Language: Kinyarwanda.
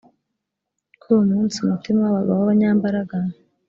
kuri uwo munsi umutima w’abagabo b’abanyambaraga